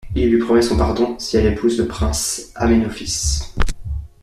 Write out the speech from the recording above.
Il lui promet son pardon si elle épouse le prince Aménophis…